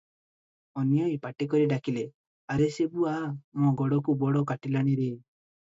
ଅନୀ ଆଈ ପାଟି କରି ଡାକିଲେ, "ଆରେ ଶିବୁ, ଆ, ମୋ ଗୋଡ଼କୁ ବଡ଼ କାଟିଲାଣି ରେ!"